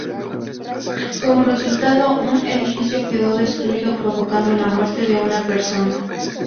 Como resultado, un edificio quedó destruido, provocando la muerte de una persona.